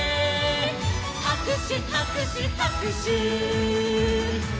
「はくしゅはくしゅはくしゅ」